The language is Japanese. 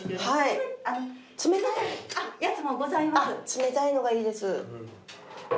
冷たいのがいいです。